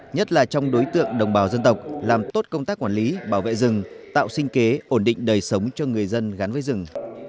nhất là trong đối tượng đồng bào dân tộc làm tốt công tác quản lý bảo vệ rừng tạo sinh kế ổn định đời sống cho người dân gắn với rừng